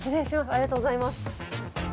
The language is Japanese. ありがとうございます。